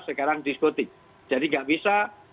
sekarang diskotik jadi nggak bisa